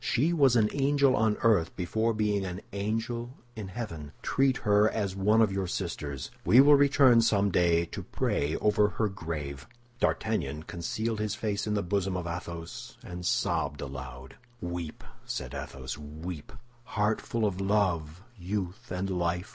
She was an angel on earth before being an angel in heaven. Treat her as one of your sisters. We will return someday to pray over her grave." D'Artagnan concealed his face in the bosom of Athos, and sobbed aloud. "Weep," said Athos, "weep, heart full of love, youth, and life!